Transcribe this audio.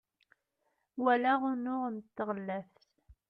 walaɣ unuɣ n tɣellaft